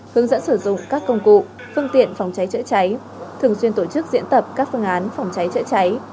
hướng dẫn sử dụng các công cụ phương tiện phòng cháy chữa cháy thường xuyên tổ chức diễn tập các phương án phòng cháy chữa cháy